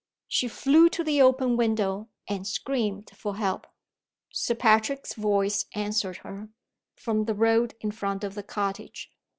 She flew to the open window, and screamed for help. Sir Patrick's voice answered her, from the road in front of the cottage.